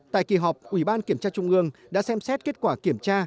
tại kỳ họp ủy ban kiểm tra trung ương đã xem xét kết quả kiểm tra